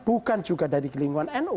bukan juga dari lingkungan nu